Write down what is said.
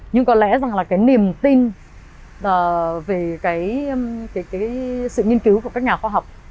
nhưng có lẽ rằng là cái niềm tin về cái sự nghiên cứu của các nhà khoa học